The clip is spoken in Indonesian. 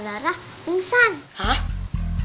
saya sudah ketan gitu